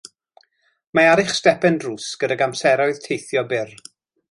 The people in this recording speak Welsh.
Mae ar eich stepen drws gydag amseroedd teithio byr